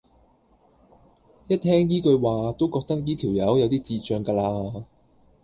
一聽依句話都覺得依條友有啲智障咖啦